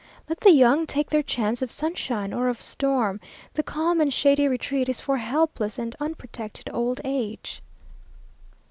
Let the young take their chance of sunshine or of storm: the calm and shady retreat is for helpless and unprotected old age.